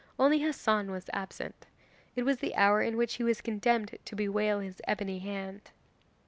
Only Hassan was absent. It was the hour in which he was condemned to bewail his ebony hand.